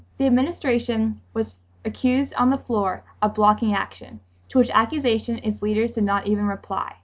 The Administration was accused on the floor of blocking action, to which accusation its leaders did not even reply.